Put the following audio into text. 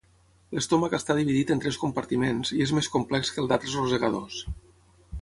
L'estómac està dividit en tres compartiments i és més complex que el d'altres rosegadors.